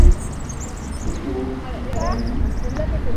Tukuu ku kparngin.